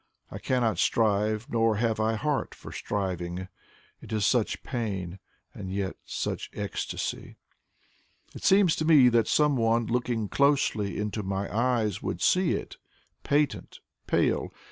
I cannot strive nor have I heart for striving: It is such pain and yet such ecstasy. It seems to me that someone looking closely Into my eyes would see it, patent, pale.